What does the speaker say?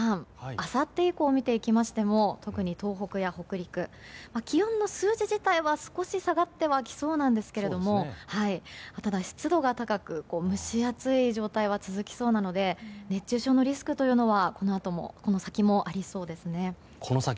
あさって以降を見ていきましても特に東北や北陸気温の数字自体は少し下がってはきそうなんですがただ湿度が高く蒸し暑い状態は続きそうなので熱中症のリスクというのはこの先もありそうですね。